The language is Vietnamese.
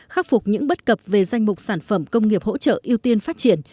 khắc phục những bất cập về danh mục sản phẩm công nghiệp hỗ trợ ưu tiên phát triển